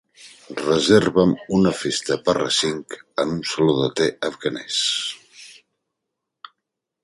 Reserva'm una festa per a cinc en un saló de té afganès